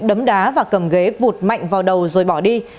đấm đá và cầm ghế vụt mạnh vào đầu rồi bỏ đi